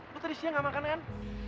lu tadi siang gak makan kan